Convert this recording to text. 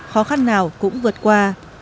khó khăn nào cũng vượt qua